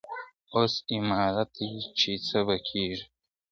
اوس اِمارت دی چي څه به کیږي ,